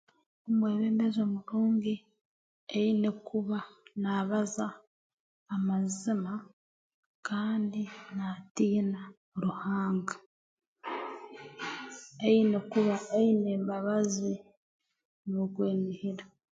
Omwebembezi omurungi aine kuba naabaza amazima kandi naatiina Ruhanga aine kuba aine embabazi n'okwenihira